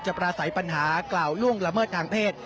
ประสัยปัญหากล่าวล่วงละเมิดทางเพศ